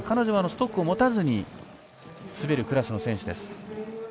女はストックを持たずに滑るクラスの選手です。